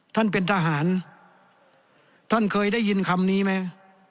ท่านเป็นทหารท่านเคยได้ยินคำนี้ไหม